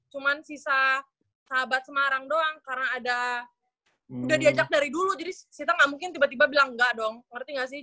cuma sisa sahabat semarang doang karena ada udah diajak dari dulu jadi sita nggak mungkin tiba tiba bilang enggak dong ngerti gak sih